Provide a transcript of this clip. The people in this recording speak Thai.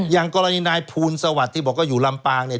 อย่างกรณีนายภูลสวัสดิ์ที่บอกว่าอยู่ลำปางเนี่ย